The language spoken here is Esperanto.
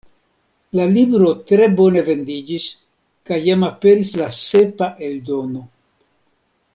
La libro tre bone vendiĝis kaj jam aperis la sepa eldono.